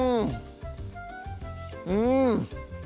うん！